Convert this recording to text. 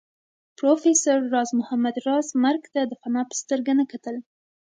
پروفېسر راز محمد راز مرګ ته د فناء په سترګه نه کتل